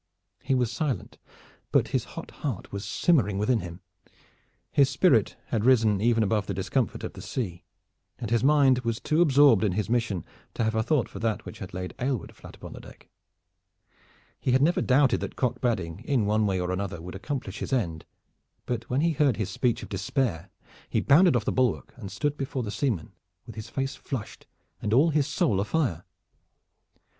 He was silent; but his hot heart was simmering within him. His spirit had risen even above the discomfort of the sea, and his mind was too absorbed in his mission to have a thought for that which had laid Aylward flat upon the deck. He had never doubted that Cock Badding in one way or another would accomplish his end, but when he heard his speech of despair he bounded off the bulwark and stood before the seaman with his face flushed and all his soul afire.